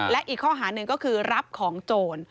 และอีกข้อหาหนึ่งก็คือรับของโจร